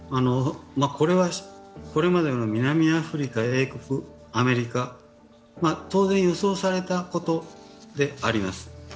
これまでの南アフリカ、英国、アメリカ、当然予想されたことであります。